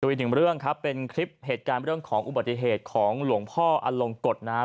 อีกหนึ่งเรื่องครับเป็นคลิปเหตุการณ์เรื่องของอุบัติเหตุของหลวงพ่ออลงกฎนะครับ